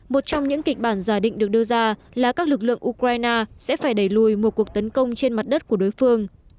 một trong những kịch bản giả định được đưa ra là các lực lượng ukraine sẽ phải đẩy lùi một cuộc tấn công trên mặt đất của đối phương